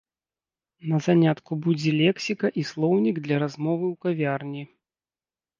На занятку будзе лексіка і слоўнік для размовы ў кавярні.